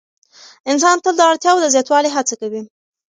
انسان تل د اړتیاوو د زیاتوالي هڅه کوي.